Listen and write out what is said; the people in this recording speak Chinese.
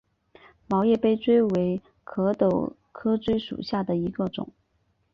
毛叶杯锥为壳斗科锥属下的一个种。